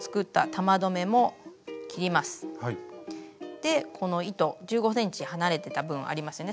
でこの糸１５ｃｍ離れてた分ありますよね。